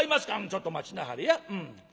「ちょっと待ちなはれや。